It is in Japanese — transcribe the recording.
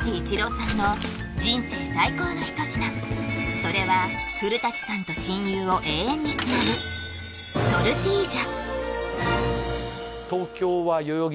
古伊知郎さんの人生最高の一品それは古さんと親友を永遠につなぐ東京は代々木